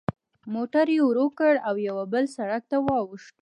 موټر یې ورو کړ او یوه بل سړک ته واوښت.